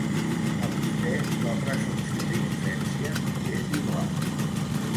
A vostè, la presumpció d’innocència li és igual.